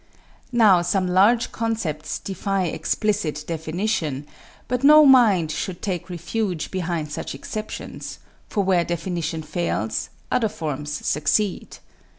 Now some large concepts defy explicit definition; but no mind should take refuge behind such exceptions, for where definition fails, other forms succeed.